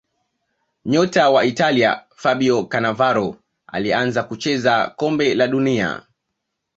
nyota wa italia fabio canavaro alianza kucheza kombe la dunia